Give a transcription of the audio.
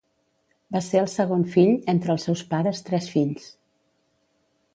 Va ser el segon fill, entre els seus pares tres fills.